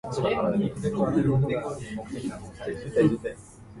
それを一概に「飜訳者は裏切り者」と心得て畏れ謹しんだのでは、